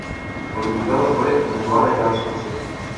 El vint-i-nou de febrer na Joana irà d'excursió.